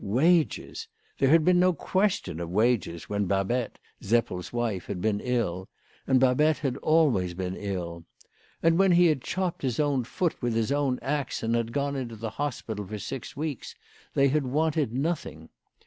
Wages ! There had been no question of wages when Babette, Seppel's wife, had been ill ; and Babette had always been ill. And when he had chopped his own foot with his own axe, and had gone into the hospital for six weeks, they had wanted nothing